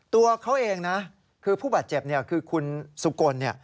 ตัวเขาเองนะคือผู้บาดเจ็บคือคุณสุกล